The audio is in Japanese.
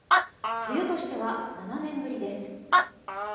冬としては７年ぶりです。